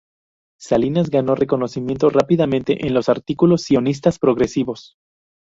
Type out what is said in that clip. Salinas ganó reconocimiento rápidamente en los círculos sionistas progresivos.